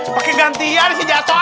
pakai gantian si jatah